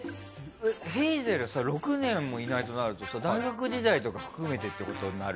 ヘイゼルさ６年もいないとなると大学時代とかも含めてってことになる？